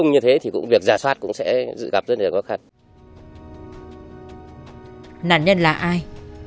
nạn nhân là ai